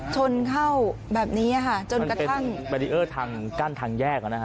ชนเข้าแบบนี้ค่ะจนกระทั่งมันเป็นทางกั้นทางแยกแล้วนะคะ